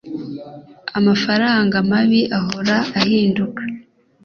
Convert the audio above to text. amafaranga mabi ahora ahinduka